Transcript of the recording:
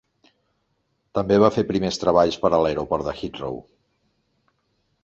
També va fer primers treballs per a l'aeroport de Heathrow.